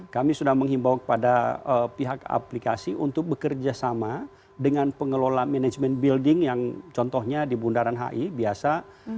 kami sudah menghimbau kepada pihak aplikasi untuk bekerja sama dengan pengelola manajemen building yang contohnya di bundaran hi biasa